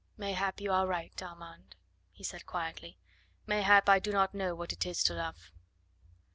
"Mayhap you are right, Armand," he said quietly; "mayhap I do not know what it is to love."